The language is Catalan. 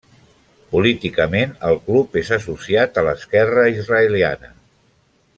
Políticament el club és associat a l'esquerra israeliana.